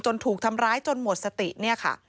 จนถูกทำร้ายจนหมดสติ